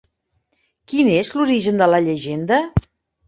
Quin és l'origen de la llegenda?